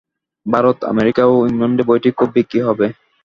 Bharat, America ও ইংলণ্ডে বইটি খুব বিক্রী হবে।